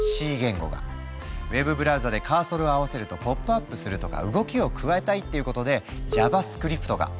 ウェブブラウザでカーソルを合わせるとポップアップするとか動きを加えたいっていうことで「ＪａｖａＳｃｒｉｐｔ」が。